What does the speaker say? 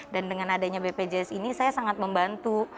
dan dengan adanya bpjs ini saya sangat membantu